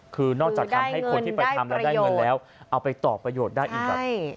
คือนอกจากทำให้คนที่ไปทำแล้วได้เงินแล้วเอาไปต่อประโยชน์ได้อีกแบบ